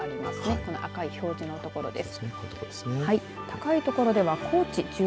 この赤い表示の所です。